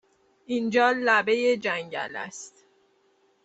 اینجا لبه جنگل است!